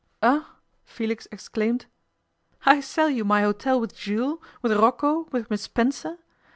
'Eh!' Felix exclaimed. 'I sell you my hotel with Jules, with Rocco, with Miss Spencer.